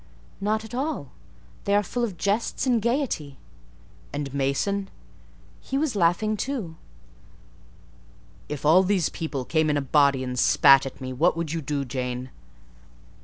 "Not at all: they are full of jests and gaiety." "And Mason?" "He was laughing too." "If all these people came in a body and spat at me, what would you do, Jane?"